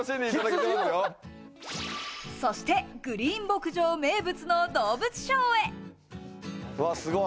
そして、グリーン牧場名物の動物ショーへ。